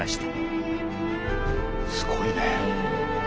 すごいね。